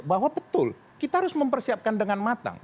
bahwa betul kita harus mempersiapkan dengan matang